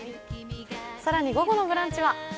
更に午後の「ブランチ」は？